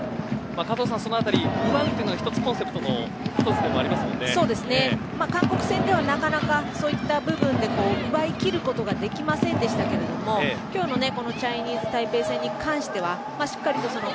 加藤さん、そのあたり奪うというのはコンセプトの韓国戦ではなかなかそういった部分で奪いきることができませんでしたけれども今日のチャイニーズタイペイ戦に関してはしっかりと。